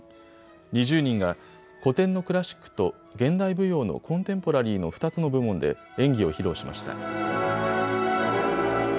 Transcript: ２０人が古典のクラシックと現代舞踊のコンテンポラリーの２つの部門で演技を披露しました。